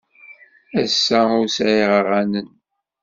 Ass-a ur sɛiɣ aɣanen.